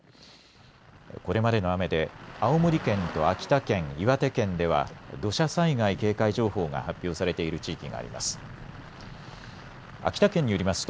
これまでの雨で青森県と秋田県、岩手県では土砂災害警戒情報が発表されている地域があります。